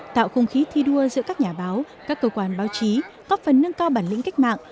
tạo không khí thi đua giữa các nhà báo các cơ quan báo chí góp phần nâng cao bản lĩnh cách mạng